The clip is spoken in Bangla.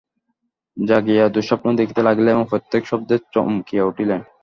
জাগিয়া দুঃস্বপ্ন দেখিতে লাগিলেন এবং প্রত্যেক শব্দে চমকিয়া উঠিলেন।